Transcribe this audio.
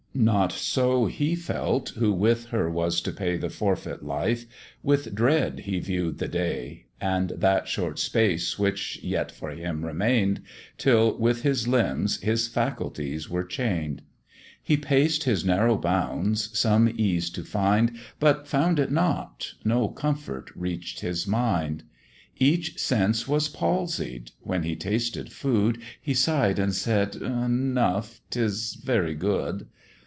Not so he felt, who with her was to pay The forfeit, life with dread he view'd the day, And that short space which yet for him remain'd, Till with his limbs his faculties were chain'd: He paced his narrow bounds some ease to find, But found it not, no comfort reach'd his mind: Each sense was palsied; when he tasted food, He sigh'd and said, "Enough 'tis very good."